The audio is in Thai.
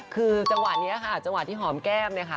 คือจังหวะนี้ค่ะจังหวะที่หอมแก้มเนี่ยค่ะ